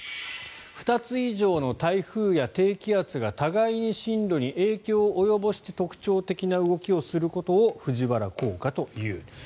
２つ以上の台風や低気圧が互いに進路に影響を及ぼして特徴的な動きをすることを藤原効果という。